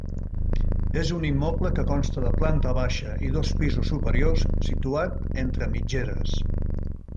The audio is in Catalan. És un immoble que consta de planta baixa i dos pisos superiors, situat entre mitgeres.